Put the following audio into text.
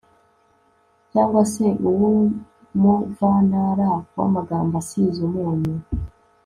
cyangwa se uw'umuvantara w'amagambo asize umunyu,